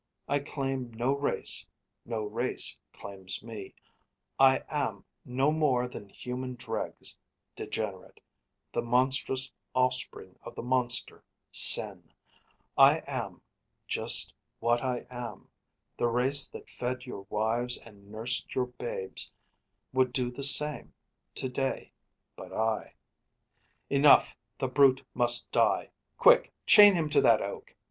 I claim no race, no race claims me; I am No more than human dregs; degenerate; The monstrous offspring of the monster, Sin; I am just what I am.... The race that fed Your wives and nursed your babes would do the same To day, but I Enough, the brute must die! Quick! Chain him to that oak!